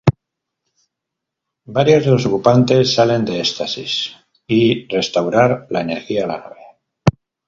Varios de los ocupantes salen de estasis y restaurar la energía a la nave.